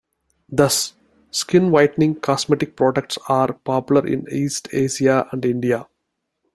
Thus, skin whitening cosmetic products are popular in East Asia and India.